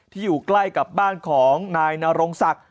อยู่ใกล้กับบ้านของนายนรงศักดิ์